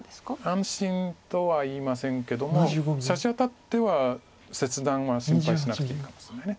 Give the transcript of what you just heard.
安心とは言いませんけどもさしあたっては切断は心配しなくていいかもしれない。